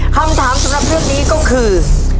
คำถามสำหรับเรื่องนี้ก็คือ